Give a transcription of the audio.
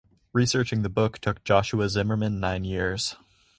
Researching the book took Joshua Zimmerman nine years.